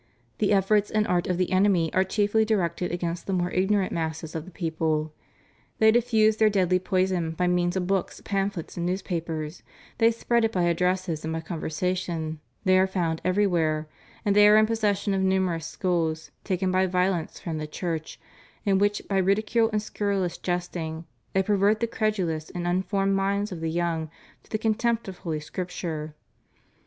The efforts and arts of the enemy are chiefly directed against the more ignorant masses of the people. They diffuse their deadly poison by means of books, pamphlets, and newspapers; they spread it by addresses and by conversation; they are found every where; and they are in possession of numerous schools, taken by violence from the Church, in which, by ridicule and scurrilous jesting, they pervert the credulous and unformed minds of the young to the contempt of Holy Scripture.